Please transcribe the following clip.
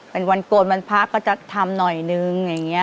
เป็นวันโกนวันพระก็จะทำหน่อยนึงอย่างนี้